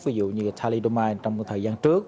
ví dụ như thalidomide trong thời gian trước